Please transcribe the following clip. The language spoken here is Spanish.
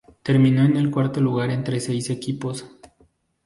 Terminó en el cuarto lugar entre seis equipos.